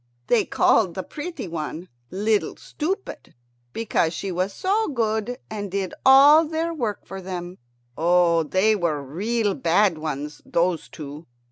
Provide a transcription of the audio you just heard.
They called the pretty one "Little Stupid," because she was so good and did all their work for them. Oh, they were real bad ones, those two.